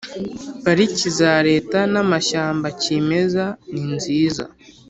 pariki za Leta n amashyamba kimeza ninziza